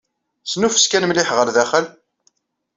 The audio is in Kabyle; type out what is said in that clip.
Snuffes kan mliḥ ɣer daxel.